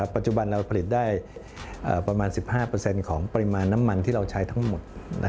ปัจจุบันเราผลิตได้ประมาณ๑๕ของปริมาณน้ำมันที่เราใช้ทั้งหมด